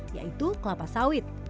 yaitu kelapa sawit